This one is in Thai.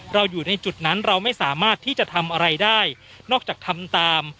อยู่ในจุดนั้นเราไม่สามารถที่จะทำอะไรได้นอกจากทำตาม